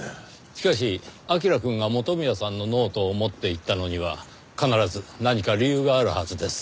しかし彬くんが元宮さんのノートを持っていったのには必ず何か理由があるはずです。